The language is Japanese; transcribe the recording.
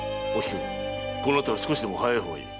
こうなったら少しでも早い方がいい。